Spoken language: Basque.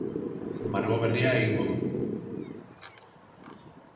Margo berria egingo du.